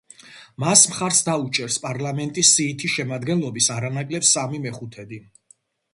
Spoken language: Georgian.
მას მხარს დაუჭერს პარლამენტის სიითი შემადგენლობის არანაკლებ სამი მეხუთედი.